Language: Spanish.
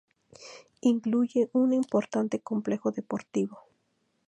Incluye un importante complejo deportivo.